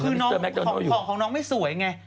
คือนอกของน้องไม่สวยไง